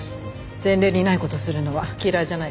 前例にない事するのは嫌いじゃないわ。